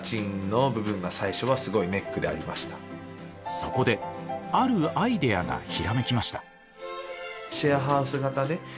そこであるアイデアがひらめきました。